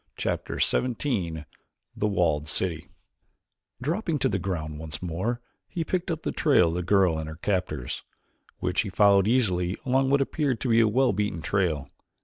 Chapter XVII The Walled City Dropping to the ground once more he picked up the trail of the girl and her captors, which he followed easily along what appeared to be a well beaten trail.